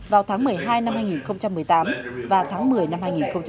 vào tháng một mươi hai năm hai nghìn một mươi tám và tháng một mươi năm hai nghìn một mươi chín